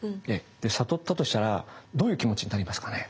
悟ったとしたらどういう気持ちになりますかね？